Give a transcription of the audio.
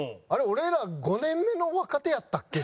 俺ら５年目の若手やったっけ？